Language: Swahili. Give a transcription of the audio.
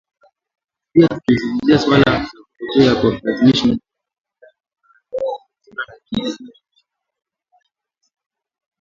Pia tulizungumzia suala la kupotea kwa kulazimishwa mauaji holela na suala la kile kinachojulikana kama nyumba salama